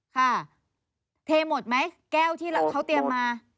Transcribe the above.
เทหมดไหมแก้วที่เขาเตรียมมา